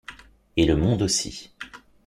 Et le monde aussi.